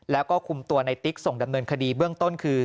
แล้วก็คุมตัวในติ๊กส่งดำเนินคดีเบื้องต้นคือ